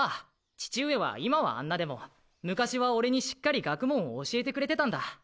父上は今はあんなでも昔はオレにしっかり学問を教えてくれてたんだ。